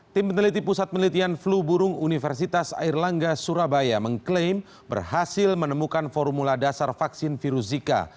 tim peneliti pusat penelitian flu burung universitas airlangga surabaya mengklaim berhasil menemukan formula dasar vaksin virus zika